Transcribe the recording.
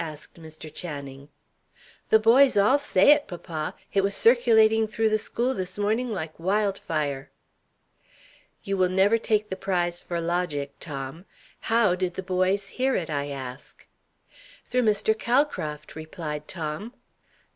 asked Mr. Channing. "The boys all say it, papa. It was circulating through the school this morning like wild fire." "You will never take the prize for logic, Tom. How did the boys hear it, I ask?" "Through Mr. Calcraft," replied Tom.